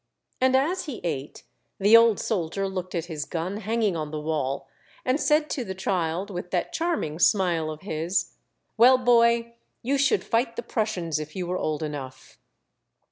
And as he ate, the old soldier looked at his gun 32 Monday Tales, hanging on the wall, and said to the child, with that charming smile of his, —" Well, boy ! you should fight the Prussians if you were old enough